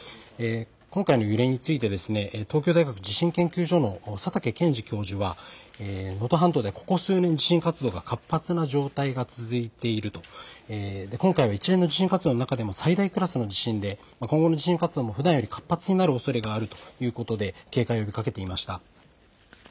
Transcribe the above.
今回の揺れについて東京大学地震研究所の佐竹健治教授は能登半島でここ数年、地震活動が活発な状態が続いていると、今回は一連の地震活動の中でも最大クラスの地震で今後の地震活動もふだんより活発になるおそれがあるということで警戒を呼びかけていました。